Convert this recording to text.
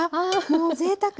もうぜいたく。